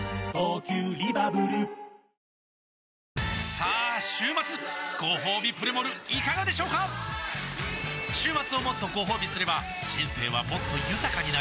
さあ週末ごほうびプレモルいかがでしょうか週末をもっとごほうびすれば人生はもっと豊かになる！